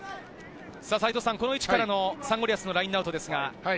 齊藤さん、この位置からのサンゴリアスのラインアウトです。